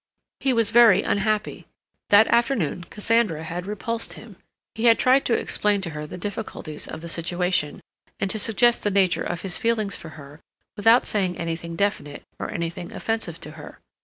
He was very unhappy. That afternoon Cassandra had repulsed him; he had tried to explain to her the difficulties of the situation, and to suggest the nature of his feelings for her without saying anything definite or anything offensive to her.